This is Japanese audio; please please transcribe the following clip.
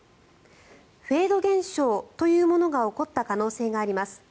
フェード現象というものが起こった可能性があります。